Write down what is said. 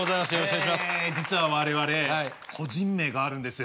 実は我々個人名があるんですよ。